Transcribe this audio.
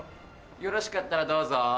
よろしかったらどうぞ。